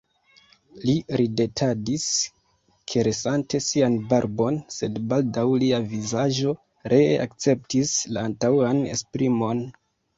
Li ridetadis, karesante sian barbon, sed baldaŭ lia vizaĝo ree akceptis la antaŭan esprimon.